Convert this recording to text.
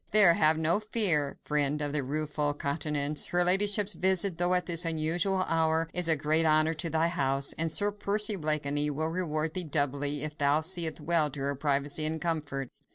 There, have no fear, friend of the rueful countenance, her ladyship's visit, though at this unusual hour, is a great honour to thy house, and Sir Percy Blakeney will reward thee doubly, if thou seest well to her privacy and comfort."